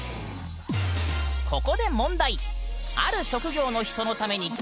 ここで問題！